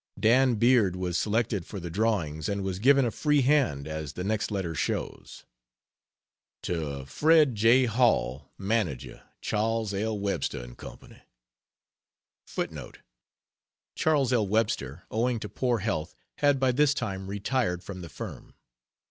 Dan Beard was selected for the drawings, and was given a free hand, as the next letter shows. To Fred J. Hall, Manager Charles L. Webster & Co.: [Charles L. Webster, owing to poor health, had by this time retired from the firm.